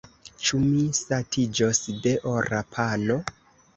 Ĉu mi satiĝos de ora pano?